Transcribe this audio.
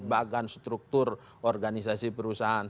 bagan struktur organisasi perusahaan